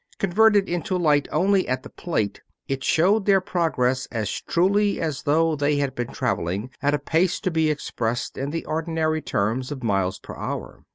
Converted into light only at the plate, it showed their progress as truly as though they had been traveling at a pace to be expressed in the ordinary terms of miles per hour.